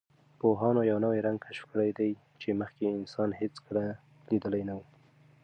پوهانو یوه نوی رنګ کشف کړی دی چې مخکې انسان هېڅ لیدلی نه و.